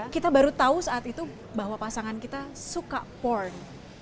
kita baru tahu saat itu bahwa pasangan kita suka porn